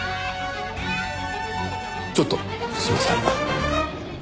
ちょっとすいません。